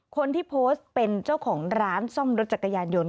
คนที่โพสต์เป็นเจ้าของร้านซ่อมรถจักรยานยนต